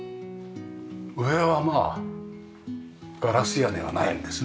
上はまあガラス屋根がないんですね。